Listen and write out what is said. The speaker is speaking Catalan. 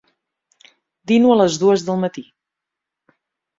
Dino a les dues del matí.